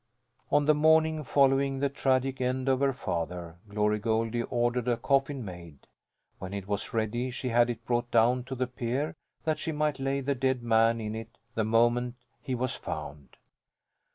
On the morning following the tragic end of her father Glory Goldie ordered a coffin made. When it was ready she had it brought down to the pier, that she might lay the dead man in it the moment he was found.